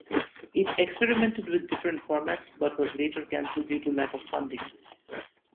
It experimented with different formats but was later cancelled due to lack of funding.